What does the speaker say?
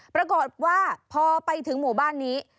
ปรากฏว่าพอไปถึงหมู่บ้านนี้